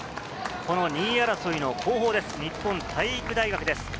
２位争いの後方です、日本体育大学です。